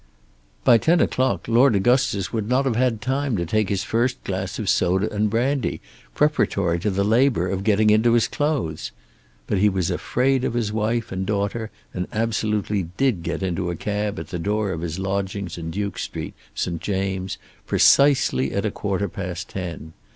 By ten o'clock Lord Augustus would not have had time to take his first glass of soda and brandy preparatory to the labour of getting into his clothes. But he was afraid of his wife and daughter, and absolutely did get into a cab at the door of his lodgings in Duke Street, St. James', precisely at a quarter past ten.